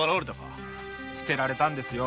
捨てられたんですよ！